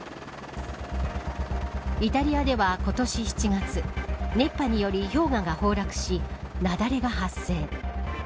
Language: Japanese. イタリアでは、今年７月熱波により氷河が崩落し、雪崩が発生。